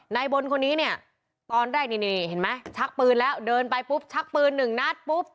นายบนคนนี้เนี่ยตอนแรกนี่เห็นไหมชักปืนแล้วเดินไปปุ๊บชักปืนหนึ่งนัดปุ๊บ